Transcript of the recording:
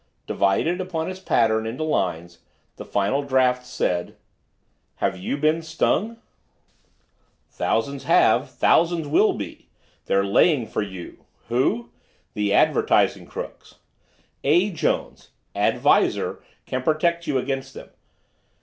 Divided, upon his pattern, into lines, the final draft read: HAVE YOU BEEN STUNG? Thousands have. Thousands will be. They're Laying for You. WHO? The Advertising Crooks. A. JONES Ad Visor Can Protect You Against Them.